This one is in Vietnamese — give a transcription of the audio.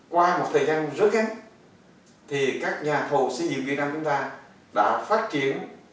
qua một thời gian rất gắn thì các nhà thầu xây dựng việt nam chúng ta đã phát triển